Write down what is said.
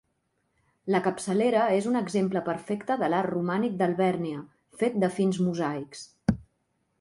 La capçalera és un exemple perfecte de l'art romànic d'Alvèrnia, fet de fins mosaics.